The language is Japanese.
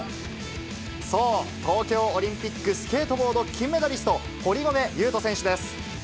そう、東京オリンピックスケートボード金メダリスト、堀米雄斗選手です。